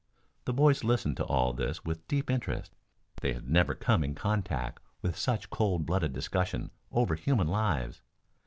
The boys listened to all this with deep interest. They had never come in contact with such cold blooded discussion over human lives.